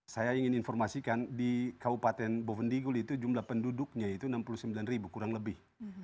saya ingin informasikan di kabupaten bovendigul itu jumlah penduduknya itu enam puluh sembilan ribu kurang lebih